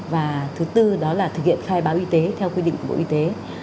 và thứ tư đó là thực hiện khai báo y tế theo quy định của bộ y tế